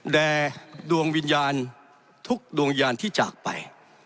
แด่ดวงวิญญาณทุกดวงญาณที่จากไป